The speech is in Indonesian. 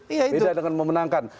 beda dengan memenangkan